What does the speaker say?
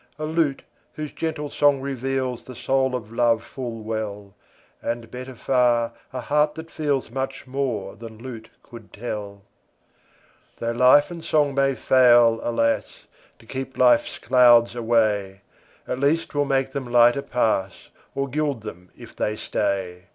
A lute whose gentle song reveals The soul of love full well; And, better far, a heart that feels Much more than lute could tell. Tho' love and song may fail, alas! To keep life's clouds away, At least 'twill make them lighter pass, Or gild them if they stay.